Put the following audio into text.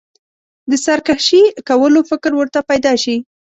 د سرکښي کولو فکر ورته پیدا شي.